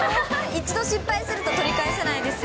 一度失敗すると、取り返せないですか？